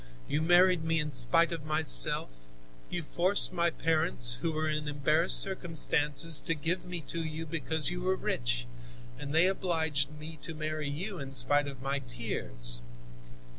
You married me in spite of myself; you forced my parents, who were in embarrassed circumstances, to give me to you, because you were rich, and they obliged me to marry you in spite of my tears.